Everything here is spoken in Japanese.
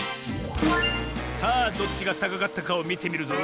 さあどっちがたかかったかをみてみるぞ。